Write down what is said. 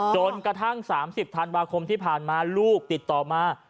จนกระทั่ง๓๐ธันวาคมที่ผ่านมาลูกติดต่อมา